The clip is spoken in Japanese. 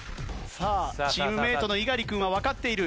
チームメートの猪狩君はわかっている。